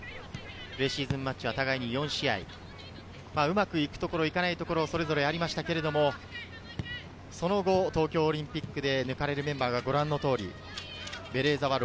プレシーズンマッチは互いに４試合、うまく行くところ行かないところありましたが、その後、東京オリンピックで、抜かれたメンバーはご覧の通りです。